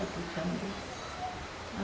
lebih satu jam